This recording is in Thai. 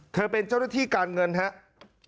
เธอเป็นเจ้าหน้าที่การเงินครับ